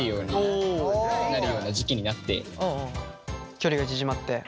距離が縮まって。